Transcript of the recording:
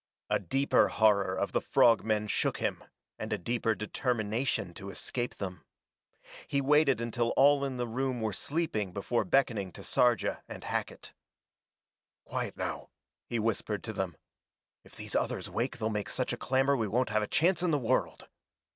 A deeper horror of the frog men shook him, and a deeper determination to escape them. He waited until all in the room were sleeping before beckoning to Sarja and Hackett. "Quiet now," he whispered to them. "If these others wake they'll make such a clamor we won't have a chance in the world.